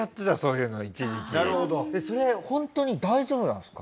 本当に大丈夫なんですか？